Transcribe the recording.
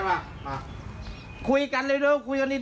เร็วคุยกันเร็วเร็วคุยกันดี